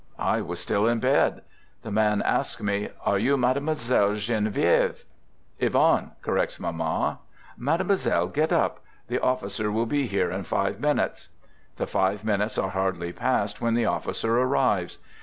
I was still in bed. The man asks me: " Are you Mademoiselle Genevieve? "" Yvonne," corrects Mamma. "Mademoiselle, get up! The officer will be here in five minutes." ... The five minutes are hardly passed, when the officer arrives.